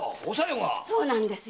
そうなんです。